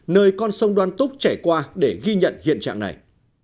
nơi con sông đoan túc trải qua để ghi nhận hiện trạng này